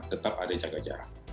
tetap ada jaga jarak